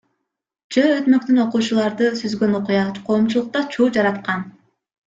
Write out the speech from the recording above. Жөө өтмөктөн окуучуларды сүзгөн окуя коомчулукта чуу жараткан.